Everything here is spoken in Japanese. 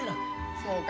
そうか。